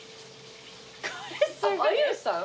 有吉さん？